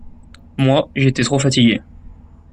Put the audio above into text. Moi, j’étais trop fatigué.